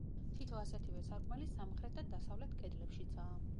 თითო ასეთივე სარკმელი სამხრეთ და დასავლეთ კედლებშიცაა.